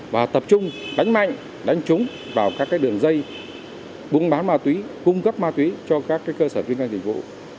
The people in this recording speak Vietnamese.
và tập trung đánh mạnh đánh trúng vào các đường dây buôn bán ma túy cung cấp ma túy cho các cơ sở kinh doanh dịch vụ